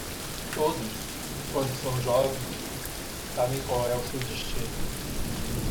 Todos? quando são jovens? sabem qual é o seu destino.